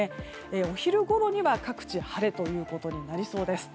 お昼ごろには各地晴れとなりそうです。